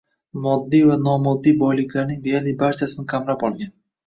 moddiy va nomoddiy boyliklarning deyarli barchasini qamrab olgan